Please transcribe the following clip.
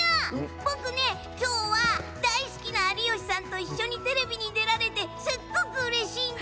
今日は大好きな有吉さんと一緒にテレビに出られてすごいうれしいんだ！